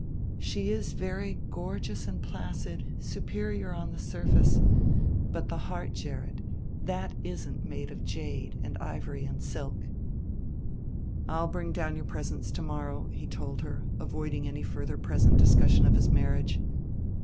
"She is very gorgeous and placid, superior on the surface; but the heart, Gerrit that isn't made of jade and ivory and silk." "I'll bring down your presents to morrow," he told her, avoiding any further present discussion of his marriage.